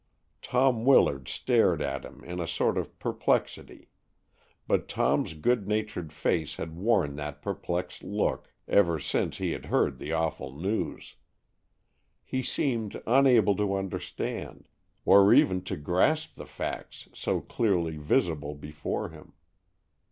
Tom Willard stared at him in a sort of perplexity; but Tom's good natured face had worn that perplexed look ever since he had heard the awful news. He seemed unable to understand, or even to grasp the facts so clearly visible before him.